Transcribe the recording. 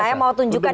saya mau tunjukkan ini